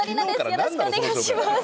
よろしくお願いします